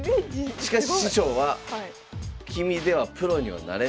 しかし師匠は君ではプロにはなれないよと。